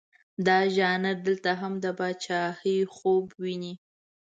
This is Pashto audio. دا ژانر دلته هم د پاچهي خوب ویني.